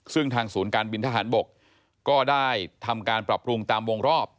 ซึ่งทางศูนย์การบินทหารบกก็ได้ทำการปรับปรุงตามวงรอบ